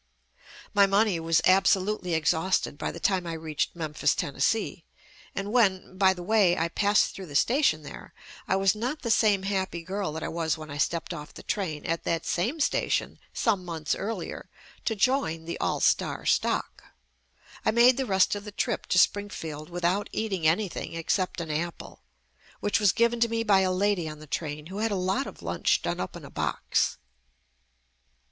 My money was absolutely exhausted by the time I reached Memphis, Tennessee, and when, by the way, I passed through the station there, I was not the same happy girl that I was when I stepped off the train at that same station some months earlier to join "The All Star Stock." I made the rest of the trip to Spring field without eating anything except an apple, which was given to me by a lady on the train who had a lot of lunch done up in a box.